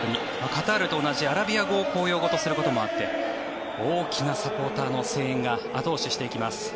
カタールと同じアラビア語を公用語とすることもあって大きなサポーターの声援が後押ししていきます。